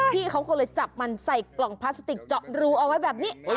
พี่เขาก็เลยจับมันใส่กล่องพลาสติกเจาะรูเอาไว้แบบนี้